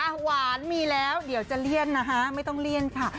หวานมีแล้วเดี๋ยวจะเลี่ยนนะคะไม่ต้องเลี่ยนค่ะ